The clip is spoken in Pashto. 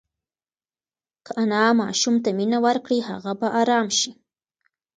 که انا ماشوم ته مینه ورکړي، هغه به ارام شي.